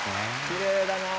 きれいだなあ。